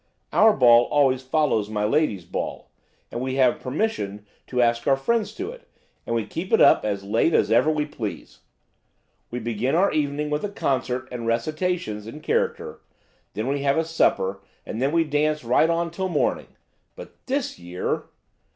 Our ball always follows my lady's ball, and we have permission to ask our friends to it, and we keep it up as late as ever we please. We begin our evening with a concert and recitations in character, then we have a supper and then we dance right on till morning; but this year!"